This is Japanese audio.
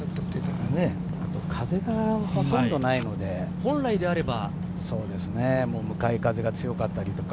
あと、風がほとんどないので、本来であれば向かい風が強かったり。